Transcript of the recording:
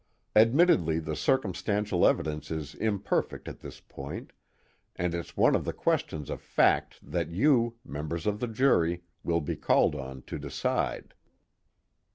Admittedly the circumstantial evidence is imperfect at this point, and it's one of the questions of fact that you, members of the jury, will be called on to decide."